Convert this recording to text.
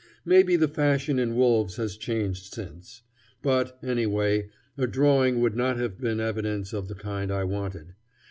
Maybe the fashion in wolves has changed since. But, anyway, a drawing would not have been evidence of the kind I wanted.